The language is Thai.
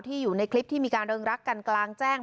ที่อยู่ในคลิปที่มีการระยังรักการกลางแจ้ง